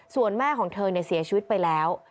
ส่วนแม่ของเธอเสียชีวิตไปแล้ว